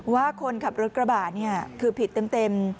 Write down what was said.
ว่าคนขับรถกระบะคือผิดเต็ม